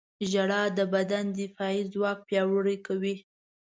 • ژړا د بدن دفاعي ځواک پیاوړی کوي.